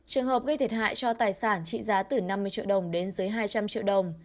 trường hợp gây thiệt hại cho tài sản trị giá từ năm mươi triệu đồng đến dưới hai trăm linh triệu đồng